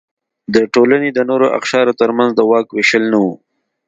د ټولنې د نورو اقشارو ترمنځ د واک وېشل نه و.